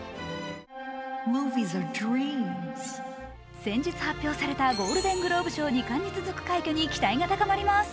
先日発表されたゴールデングローブ賞２冠に続く快挙に期待が高まります。